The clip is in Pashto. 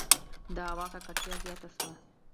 • د هوا ککړتیا زیاته شوه.